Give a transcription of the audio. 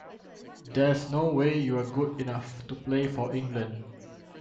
There's no way you're good enough to play for England.